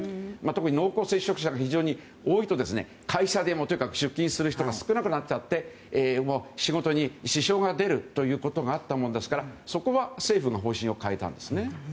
特に濃厚接触者が非常に多いと会社でも出勤する人が少なくなっちゃって仕事に支障が出るということがあったもんですからそこは政府が方針を変えたんですね。